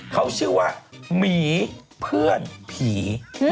เค้าชื่อว่ามีรี้เพื่อนผี